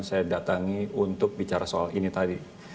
saya datangi untuk bicara soal ini tadi